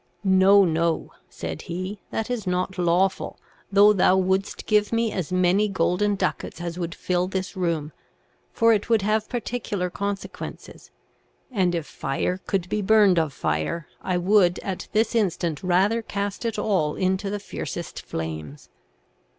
'No, no,' said he, 'that is not lawful, though thou wouldest give me as many golden ducats as would fill this room; for it would have particular consequences, and if fire could be burned of fire, I would at this instant rather cast it all into the fiercest flames.'